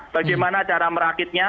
bagaimana cara merakitnya